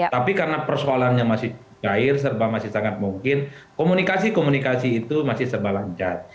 tapi karena persoalannya masih cair serba masih sangat mungkin komunikasi komunikasi itu masih serba lancar